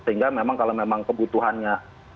sehingga memang kalau memang kebutuhannya